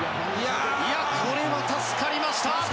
これは助かりました。